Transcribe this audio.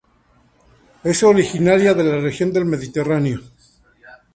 Es originaria de la región del Mediterráneo.